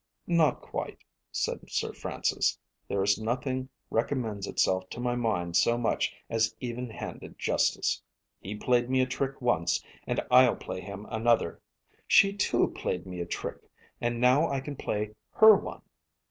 "Not quite," said Sir Francis. "There is nothing recommends itself to my mind so much as even handed justice. He played me a trick once, and I'll play him another. She too played me a trick, and now I can play her one.